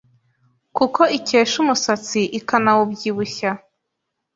kuko ikesha umusatsi, ikanawubyibushya